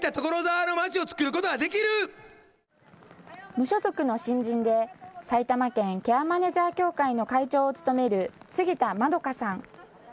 無所属の新人で埼玉県ケアマネジャー協会の会長を務める杉田まどかさん。